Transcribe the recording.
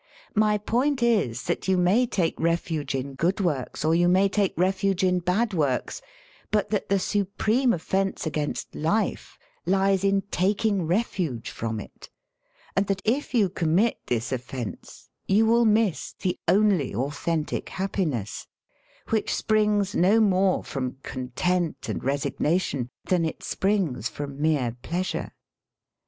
My point is that you may take refuge in good works or you may take refuge in bad works, but that the supreme offence against life lies in taking refuge from it, and that if you commit this offence you will miss the only authentic happiness — which springs no more from content and resignation than it springs from mere pleasure.